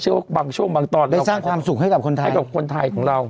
ว่าบางช่วงบางตอนเราสร้างความสุขให้กับคนไทยให้กับคนไทยของเรา